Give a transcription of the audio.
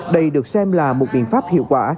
đây được xem là một biện pháp hiệu quả